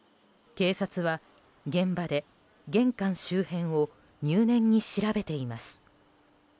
警察は、現場で玄関周辺を入念に調べています。